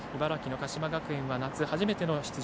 鹿島学園は夏初めての出場。